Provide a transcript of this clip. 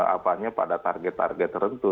apanya pada target target tertentu